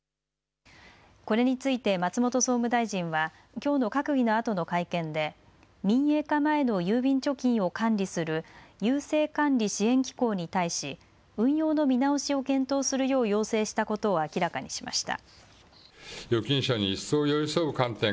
これについて松本総務大臣はきょうの閣議のあとの会見で民営化前の郵便貯金を管理する郵政管理・支援機構に対し運用の見直しを検討するよう要請したことを明らかにしました。